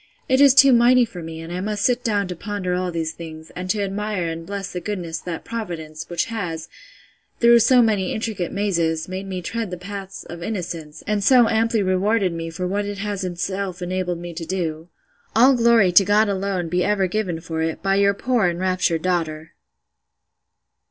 —It is too mighty for me, and I must sit down to ponder all these things, and to admire and bless the goodness of that Providence, which has, through so many intricate mazes, made me tread the paths of innocence, and so amply rewarded me for what it has itself enabled me to do! All glory to God alone be ever given for it, by your poor enraptured daughter!